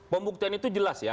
pembuktian itu jelas ya